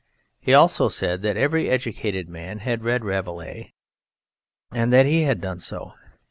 He also said that every educated man had read Rabelais, and that he had done so.